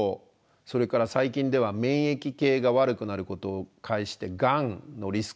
それから最近では免疫系が悪くなることを介してがんのリスクを高める。